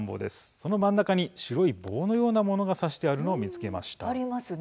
その真ん中に白い棒のようなものが差してあるのを見つけました。